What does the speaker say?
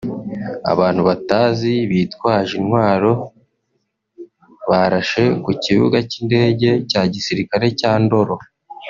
Abantu batazwi bitwaje intwaro barashe ku kibuga cy’indege cya gisirikare cya Ndolo